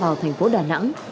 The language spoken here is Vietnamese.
vào thành phố đà nẵng